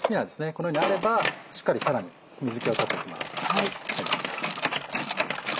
このようにあればしっかりさらに水気を取っていきます。